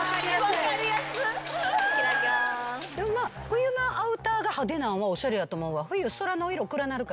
冬場アウターが派手なんはおしゃれやと思うわ。